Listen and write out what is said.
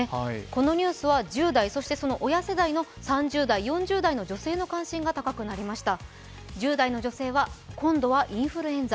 このニュースは１０代、そしてその親世代の３０代、４０代の女性の関心が高くなりました。